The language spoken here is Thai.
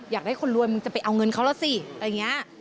อยากได้คนรวยมึงจะไปเอาเงินเขาแล้วสิอะไรอย่างนี้